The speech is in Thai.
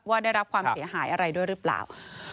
ได้รับความเสียหายอะไรด้วยหรือเปล่า